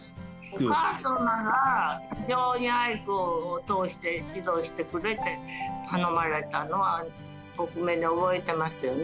お母様が、非常にアイクを通して指導してくれって頼まれたのは克明に覚えてますよね。